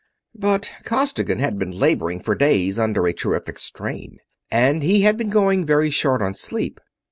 But Costigan had been laboring for days under a terrific strain, and had been going very short on sleep.